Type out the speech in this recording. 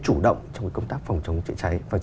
chủ động trong công tác phòng chống chữa cháy